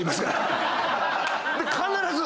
必ず！